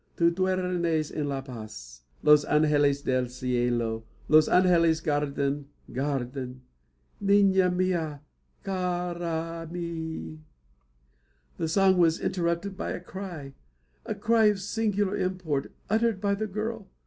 Tu duertnes en la paz. Los angeles del cielo Los angeles guardan, guardan, Nina mia! Ca ra mi " The song was interrupted by a cry a cry of singular import uttered by the girl.